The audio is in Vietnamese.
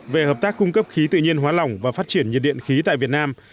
về hợp tác cung cấp khí tự nhiên hóa lỏng và phát triển nhiệt điện khí tại việt nam